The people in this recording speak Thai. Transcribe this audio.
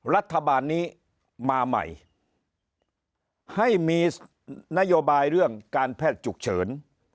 รัฐบาลนี้มาใหม่ให้มีนโยบายเรื่องการแพทย์ฉุกเฉิน